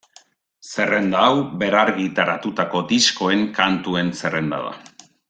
Zerrenda hau berrargitaratutako diskoen kantuen zerrenda da.